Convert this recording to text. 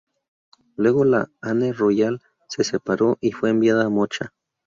Luego la "Anne Royal" se separó y fue enviada a Mocha.